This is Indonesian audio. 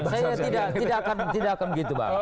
bukan saya tidak akan begitu banget